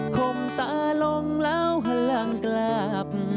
คมตาลงแล้วหลั่งกลับ